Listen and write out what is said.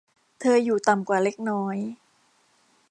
เธออยู่ต่ำกว่าเล็กน้อย